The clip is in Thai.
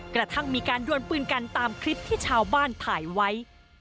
กระทั่งมีการดวนปืนกันตามคลิปที่ชาวบ้านถ่ายไว้